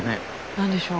何でしょう？